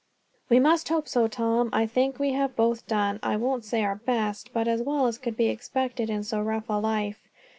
"We must hope so, Tom. I think we have both done, I won't say our best, but as well as could be expected in so rough a life.